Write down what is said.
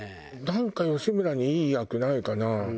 なんか吉村にいい役ないかな？